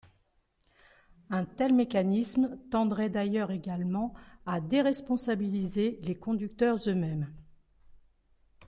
Un tel mécanisme tendrait d’ailleurs également à déresponsabiliser les conducteurs eux-mêmes.